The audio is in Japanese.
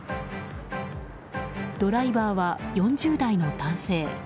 ドライバーは４０代の男性。